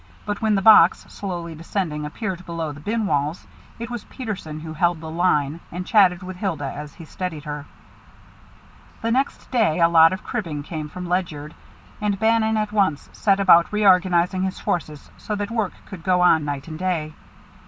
But when the box, slowly descending, appeared below the bin walls, it was Peterson who held the line and chatted with Hilda as he steadied her. The next day a lot of cribbing came from Ledyard, and Bannon at once set about reorganizing his forces so that work could go on night and day.